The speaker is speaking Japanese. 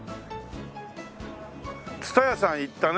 蔦屋さん行ったね。